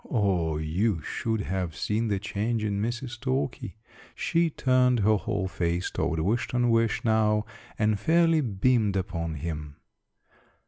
O, you should have seen the change in Mrs. Talky. She turned her whole face toward Wish ton wish now and fairly beamed upon him.